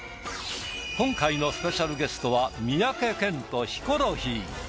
今回のスペシャルゲストは三宅健とヒコロヒー。